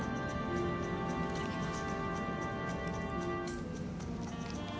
いただきます。